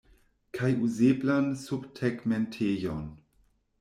Kaj uzeblan subtegmentejon.